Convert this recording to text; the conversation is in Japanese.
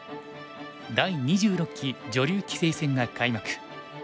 第２６期女流棋聖戦が開幕。